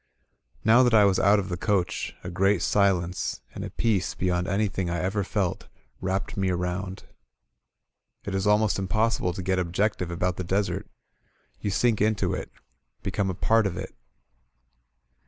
Now that I was out of the coach, a great silence, and a peace be yond anything I ever felt, wrapped me around. It is almost impossible to get objective about the desert; you sink into it, — ^become a part of it.